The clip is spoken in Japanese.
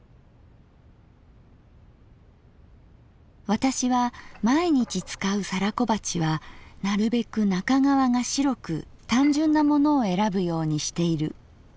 「私は毎日使う皿小鉢はなるべく中側が白く単純なものをえらぶようにしている。